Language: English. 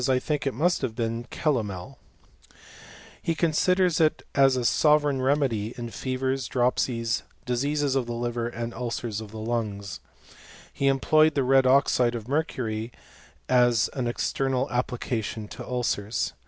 I think it must have been calomel, . He considers it as a sovereign remedy in fevers, dropsies, diseases of the liver, and ulcers of * the lungs. He employed the red oxide of mercury , as an external application to ulcers.